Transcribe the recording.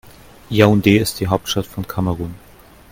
Yaoundé ist die Hauptstadt von Kamerun.